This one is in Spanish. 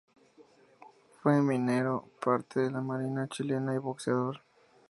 Fue minero, parte de la Marina chilena y boxeador.